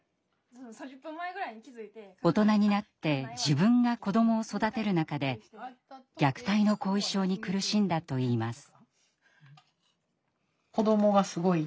大人になって自分が子どもを育てる中で虐待の“後遺症”に苦しんだといいます。